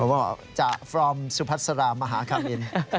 บอกว่าจากสุพัฒนศาลมาหาค่ะมิล